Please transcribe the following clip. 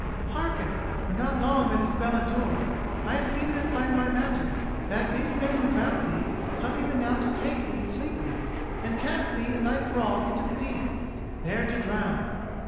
Hearken, for not long may the spell endure. I have seen this by my magic: that these men who bound thee come even now to take thee, sleeping, and cast thee and thy thrall into the deep, there to drown."